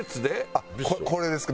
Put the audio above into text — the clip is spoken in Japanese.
あっこれですか？